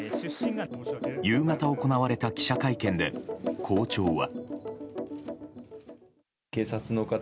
夕方行われた記者会見で校長は。